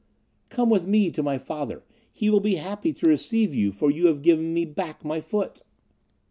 Come with me to my father; he will be happy to receive you, for you have given me back my foot."